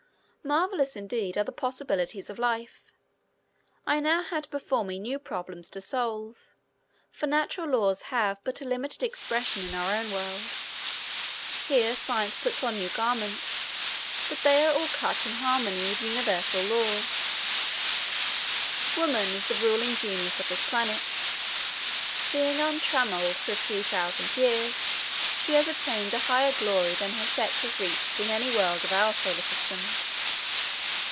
Marvelous indeed are the possibilities of life. I now had before me new problems to solve, for natural laws have but a limited expression in our own world. Here science puts on new garments, but they are all cut in harmony with universal laws. Woman is the ruling genius of this planet. Being untrammeled for a few thousand years, she has attained a higher glory than her sex has reached in any world of our Solar System.